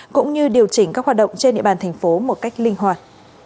cũng như điều chỉnh các hoạt động trên địa bàn thành phố một cách linh hoạt